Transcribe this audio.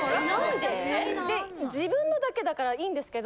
で自分のだけだからいいんですけど。